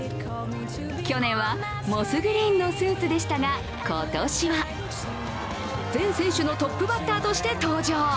去年はモスグリーンのスーツでしたが今年は、全選手のトップバッターとして登場。